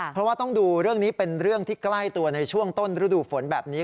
เพราะว่าต้องดูเรื่องนี้เป็นเรื่องที่ใกล้ตัวในช่วงต้นฤดูฝนแบบนี้